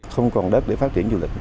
không còn đất để phát triển du lịch